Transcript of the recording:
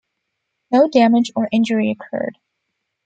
No damage or injury occurred.